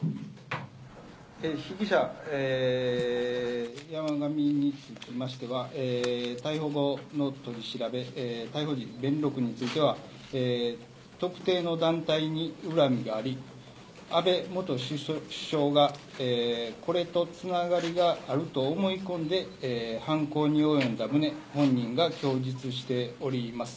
被疑者、山上につきましては、逮捕後の取り調べ、逮捕時、については特定の団体に恨みがあり、安倍元首相がこれとつながりがあると思い込んで犯行に及んだ旨、本人が供述しております。